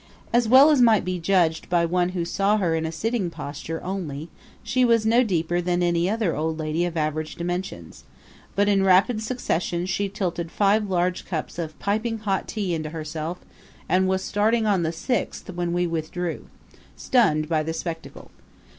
As well as might be judged by one who saw her in a sitting posture only, she was no deeper than any other old lady of average dimensions; but in rapid succession she tilted five large cups of piping hot tea into herself and was starting on the sixth when we withdrew, stunned by the spectacle.